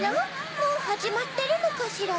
もうはじまってるのかしら？